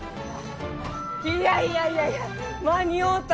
いやいやいやいや間に合うた！